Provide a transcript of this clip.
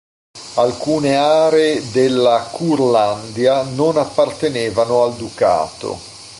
Alcune aree della Curlandia non appartenevano al Ducato.